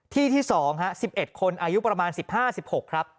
ที่ที่๒๑๑คนอายุประมาณ๑๕๑๖ครับ